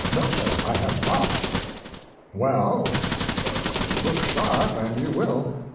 "No, sir; I have not." "Well! Look sharp and you will."